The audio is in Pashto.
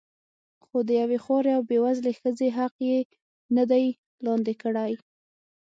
خو د یوې خوارې او بې وزلې ښځې حق یې نه دی لاندې کړی.